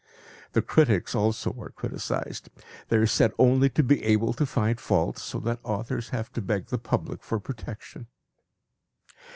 The critics also are criticised; they are said only to be able to find fault, so that authors have to beg the public for protection.